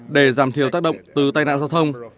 để giảm thiểu tác động từ tai nạn giao thông